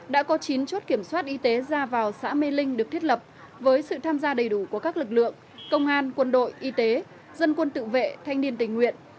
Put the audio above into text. đã có chín chốt kiểm soát y tế ra vào xã mê linh được thiết lập với sự tham gia đầy đủ của các lực lượng công an quân đội y tế dân quân tự vệ thanh niên tình nguyện